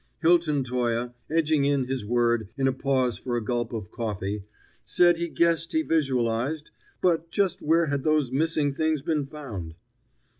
Hilton Toye, edging in his word in a pause for a gulp of coffee, said he guessed he visualized but just where had those missing things been found?